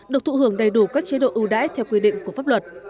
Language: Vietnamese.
được thụ hưởng đầy đủ các chế độ ưu đãi theo quy định của pháp luật